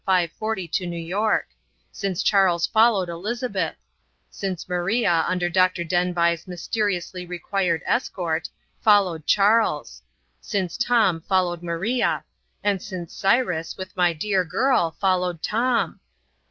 40 to New York; since Charles followed Elizabeth; since Maria, under Dr. Denbigh's mysteriously required escort, followed Charles; since Tom followed Maria; and since Cyrus, with my dear girl, followed Tom.